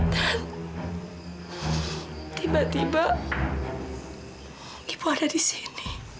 tiba tiba ibu ada di sini